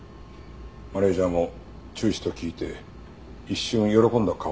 マネジャーも中止と聞いて一瞬喜んだ顔をしていたからな。